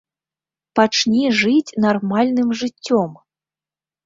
Пачні жыць нармальным жыццём!